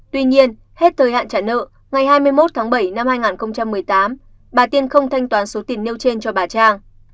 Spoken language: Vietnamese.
tuy nhiên hết thời hạn trả nợ ngày hai mươi một tháng bảy năm hai nghìn một mươi tám bà tiên không thanh toán số tiền nêu trên cho bà trang